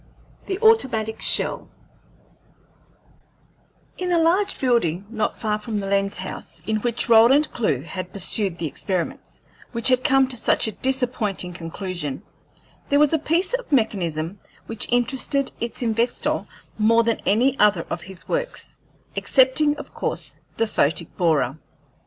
THE AUTOMATIC SHELL In a large building, not far from the lens house in which Roland Clewe had pursued the experiments which had come to such a disappointing conclusion, there was a piece of mechanism which interested its inventor more than any other of his works, excepting of course the photic borer.